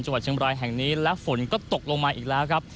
เมืองเชียงบรายแห่งนี้และฝนก็ตกลงมาอีกแล้วครับ